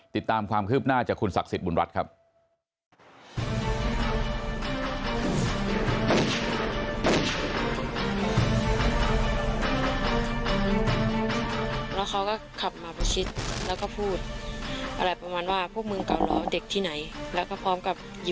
ติดตามความคืบหน้าจากคุณศักดิ์สิทธิบุญรัฐครับ